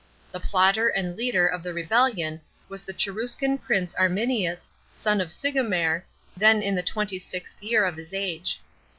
The plotter and leader of the rebellion was the Cheruscan prince Arminiup, s«>n of Sigimer, then in the twenty sixth year of his age.